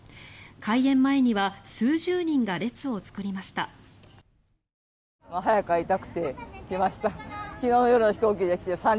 開園前には数十人が列を作りました。